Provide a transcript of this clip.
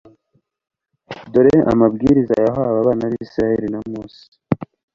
Dore amabwiriza yahawe abana b'Isiraeli na Mose